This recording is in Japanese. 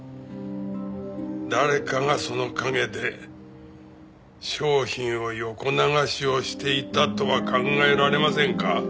誰かがその陰で商品の横流しをしていたとは考えられませんか？